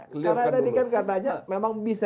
karena tadi kan katanya memang bisa saja